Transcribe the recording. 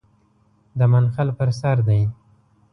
د منقل پر سر دی .